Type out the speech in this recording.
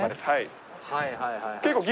はいはいはい。